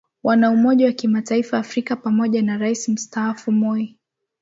wana umoja wa kitaifa Afrika pamoja na rais mstaafu Moi